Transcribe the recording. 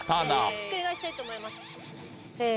ひっくり返したいと思います。